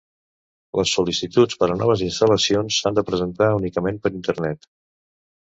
Les sol·licituds per a noves instal·lacions s'han de presentar únicament per Internet.